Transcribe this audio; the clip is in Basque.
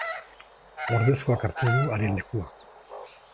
Ordezkoak hartu du haren lekua.